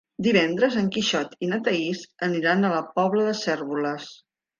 Divendres en Quixot i na Thaís aniran a la Pobla de Cérvoles.